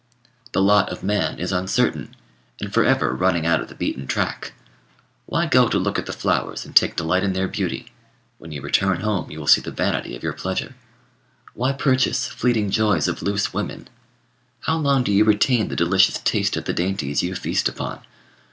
"The lot of man is uncertain, and for ever running out of the beaten track. Why go to look at the flowers, and take delight in their beauty? When you return home, you will see the vanity of your pleasure. Why purchase fleeting joys of loose women? How long do you retain the delicious taste of the dainties you feast upon?